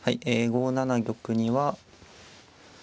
５七玉には。